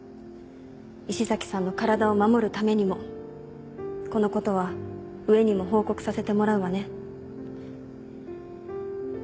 石崎さんの体を守るためにもこのことは上にも報告させてもらうわね。